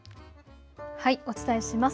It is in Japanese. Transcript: お伝えします。